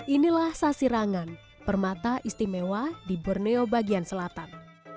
inilah sasirangan permata istimewa di borneo bagian selatan